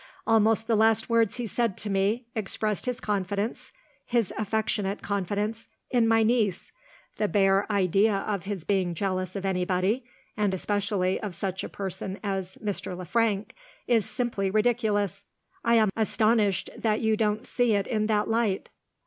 "Almost the last words he said to me expressed his confidence his affectionate confidence in my niece. The bare idea of his being jealous of anybody, and especially of such a person as Mr. Le Frank, is simply ridiculous. I am astonished that you don't see it in that light."